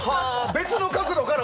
別の角度から。